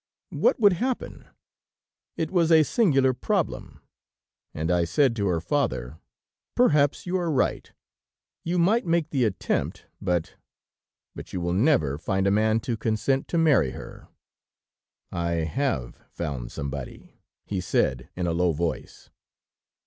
What would happen? It was a singular problem, and I said to her father: "'Perhaps you are right ... You might make the attempt ... but ... but you will never find a man to consent to marry her.' "'I have found somebody,' he said in a low voice.